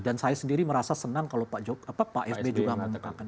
dan saya sendiri merasa senang kalau pak sb juga memutarkan itu